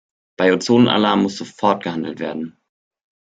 Bei Ozonalarm muss sofort gehandelt werden.